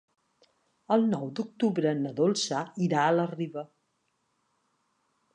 El nou d'octubre na Dolça irà a la Riba.